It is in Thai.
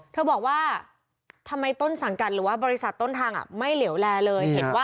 เธอบอกว่าทำไมต้นสังกัดหรือว่าบริษัทต้นทางไม่เหลวแลเลย